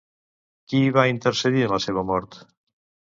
Qui va intercedir en la seva mort?